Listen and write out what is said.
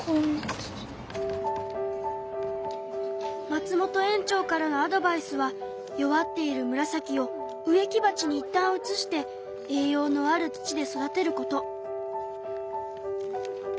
松本園長からのアドバイスは弱っているムラサキを植木鉢にいったん移して栄養のある土で育てること。